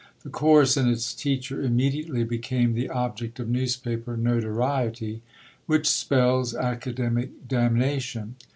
The course and its teacher immediately became the object of newspaper notoriety, which spells academic damnation.